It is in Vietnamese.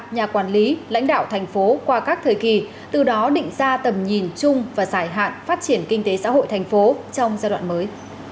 nhà quản lý lãnh đạo thành phố qua các thời kỳ từ đó định ra tầm nhìn chung và giải hạn phát triển kinh tế xã hội thành phố trong giai đoạn mới